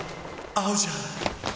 合うじゃん！！